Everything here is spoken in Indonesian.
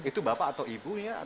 itu bapak atau ibunya